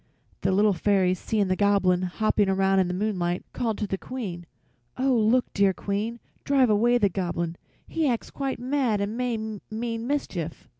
The little fairies, seeing the Goblin hopping about in the moonlight, called to the Queen: "Oh, look, dear Queen. Drive away the Goblin; he acts quite mad and may mean mischief."